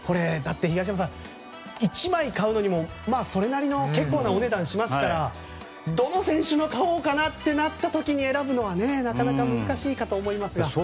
東山さん、１枚買うのにもそれなりのお値段しますからどの選手の買おうかなってなった時選ぶのはなかなか難しいかと思いますが。